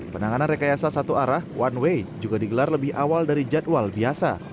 penanganan rekayasa satu arah one way juga digelar lebih awal dari jadwal biasa